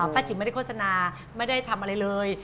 จิ๋มไม่ได้โฆษณาไม่ได้ทำอะไรเลย